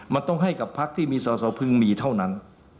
มันต้องให้กับพักที่มีสอสอพึงมีเท่านั้น